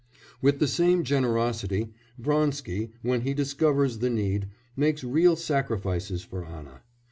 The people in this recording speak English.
With the same generosity, Vronsky, when he discovers the need, makes real sacrifices for Anna.